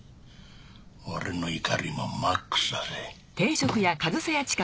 俺の怒りもマックスだぜ。